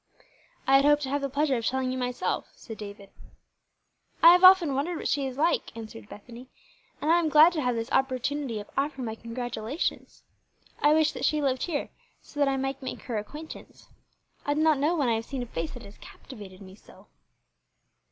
"I had hoped to have the pleasure of telling you myself," said David. "I have often wondered what she is like," answered Bethany, "and I am glad to have this opportunity of offering my congratulations. I wish that she lived here that I might make her acquaintance. I do not know when I have seen a face that has captivated me so."